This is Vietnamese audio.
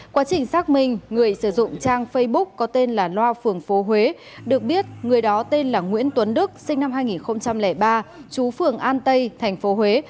quá trình xác minh người sử dụng trang facebook có tên là loa phường phố huế được biết người đó tên là nguyễn tuấn đức sinh năm hai nghìn ba chú phường an tây tp huế